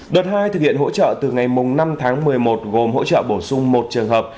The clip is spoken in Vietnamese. đợt hai thực hiện hỗ trợ từ ngày năm tháng một mươi một gồm hỗ trợ bổ sung một trường hợp